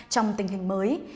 trong tình hình mới